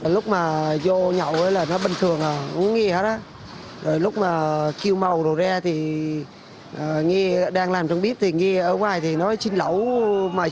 lúc mà vô nhậu là nó bình thường uống nghi hết á